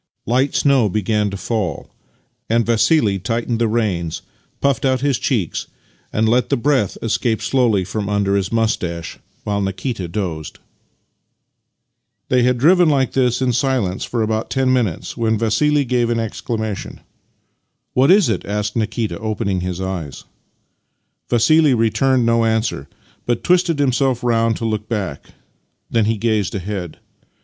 Light snow began to fall, and Vassili tightened the reins, puffed out his cheeks, and let the breath escape slowly from under his moustache, while Nikita dozed. They had driven like this in ^ Tlie verst = about two thirds of an English mile. Master and Man 13 silence for about ten minutes when Vassili gave an exclamation. " What is it? " asked Nikita, opening his eyes. Vassili returned no answer, but twisted himself round to look back. Then he gazed ahead.